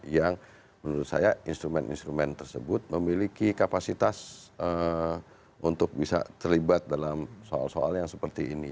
yang menurut saya instrumen instrumen tersebut memiliki kapasitas untuk bisa terlibat dalam soal soal yang seperti ini